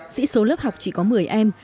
sĩ số lớp học chỉ có một mươi em